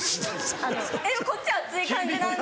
えっこっち熱い感じなんで。